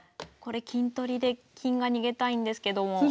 これ金取りで金が逃げたいんですけども。